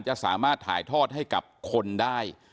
จะสามารถถ่ายทอดให้กับคนได้